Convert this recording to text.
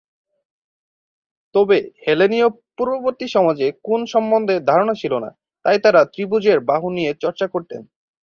তবে, হেলিনীয় পূর্ববর্তী সমাজে কোণ সম্বন্ধে ধারণা ছিল না, তাই তাঁরা ত্রিভুজের বাহু নিয়ে চর্চা করতেন।